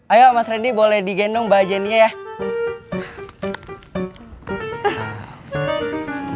ayo mas ren nya boleh digendong mbak jenny nya ya